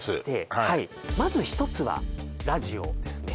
はいまず１つはラジオですね